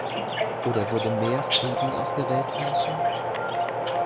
Oder würde mehr Frieden auf der Welt herrschen?